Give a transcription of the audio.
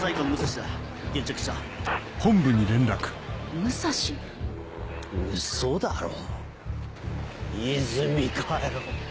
ウソだろ和泉かよ。